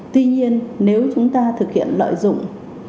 tuy nhiên nếu chúng ta thực hiện lợi dụng